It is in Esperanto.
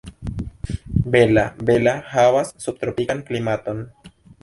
Bela-Bela havas subtropikan klimaton.